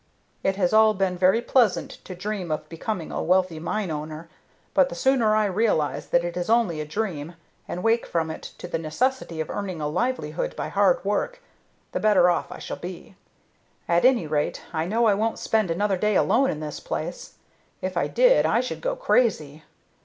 "It has all been very pleasant to dream of becoming a wealthy mine owner, but the sooner I realize that it is only a dream, and wake from it to the necessity of earning a livelihood by hard work, the better off I shall be. At any rate, I know I won't spend another day alone in this place. If I did, I should go crazy.